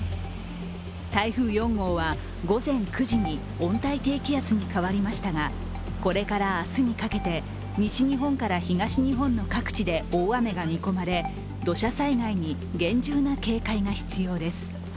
台風４号は午前９時に温帯低気圧に変わりましたがこれから明日にかけて西日本から東日本の各地で大雨が見込まれ、土砂災害に厳重な警戒が必要です。